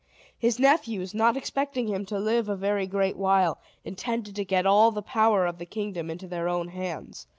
His nephews, not expecting him to live a very great while, intended to get all the power of the kingdom into their own hands.